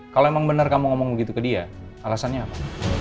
kalau emang bener kamu ngomong begitu ke dia alasannya apa